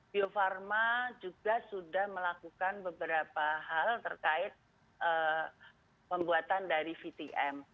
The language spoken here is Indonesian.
bio farma juga sudah melakukan beberapa hal terkait pembuatan dari vtm